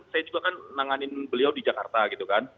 saya juga kan nanganin beliau di jakarta gitu kan